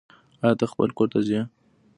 آيا ته خپل کور ته ځي